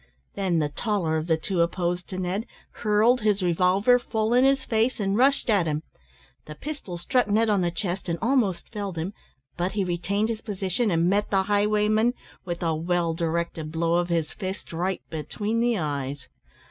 Then the taller of the two opposed to Ned, hurled his revolver full in his face, and rushed at him. The pistol struck Ned on the chest, and almost felled him, but he retained his position, and met the highwayman with a well directed blow of his fist right between the eyes.